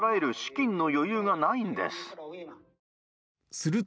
すると。